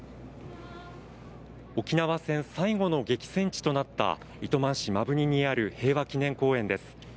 沖縄戦最後の激戦地となった糸満市摩文仁にある平和記念公園です。